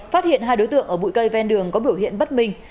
phát hiện hai đối tượng ở bụi cây ven đường có biểu hiện bất minh